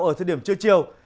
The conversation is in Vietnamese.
ở thời điểm trưa chiều